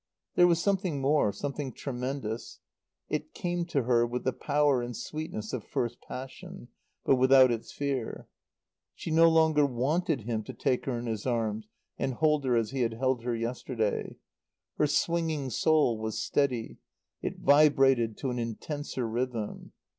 There was something more; something tremendous. It came to her with the power and sweetness of first passion; but without its fear. She no longer wanted him to take her in his arms and hold her as he had held her yesterday. Her swinging soul was steady; it vibrated to an intenser rhythm.